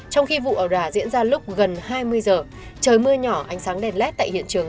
trong khi vụ ẩu rà diễn ra lúc gần hai mươi giờ trời mưa nhỏ ánh sáng đèn led tại hiện trường